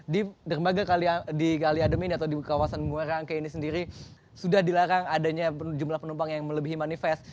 di dermaga kali adamuara ini atau di kawasan kepulauan seribu ini sendiri sudah dilarang adanya jumlah penumpang yang melebihi manifest